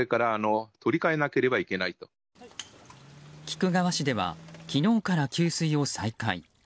菊川市では昨日から給水を再開。